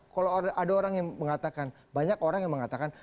kalau ada orang yang mengatakan banyak orang yang mengatakan